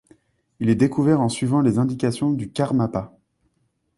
Il est découvert en suivant les indications du karmapa.